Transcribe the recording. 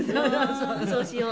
そうしよう。